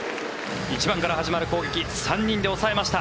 １番から始まる攻撃３人で抑えました。